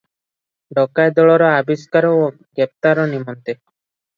ଡକାଏତ ଦଳର ଆବିଷ୍କାର ଓ ଗ୍ରେପ୍ତାର ନିମନ୍ତେ ।